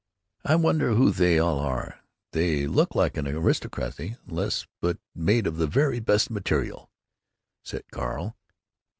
"I wonder who they all are; they look like an aristocracy, useless but made of the very best materials," said Carl.